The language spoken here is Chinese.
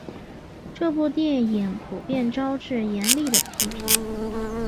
这部电影普遍招致严厉的批评。